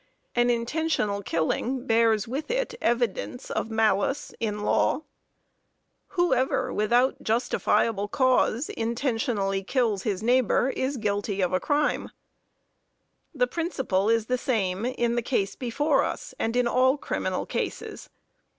An intentional killing bears with it evidence of malice in law. Whoever, without justifiable cause, intentionally kills his neighbor, is guilty of a crime. The principle is the same in the case before us, and in all criminal cases.